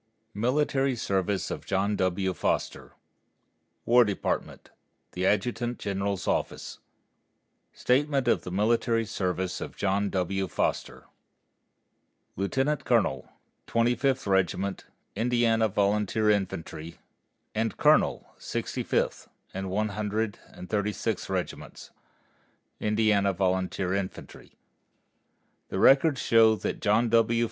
MILITARY SERVICE OF JOHN W. FOSTER WAR DEPARTMENT THE ADJUTANT GENERAL'S OFFICE STATEMENT OF THE MILITARY SERVICE OF JOHN W. FOSTER _Lieutenant Colonel, Twenty fifth Regiment, Indiana Volunteer Infantry, and Colonel, Sixty fifth and One Hundred and Thirty sixth Regiments, Indiana Volunteer Infantry_ The records show that John W.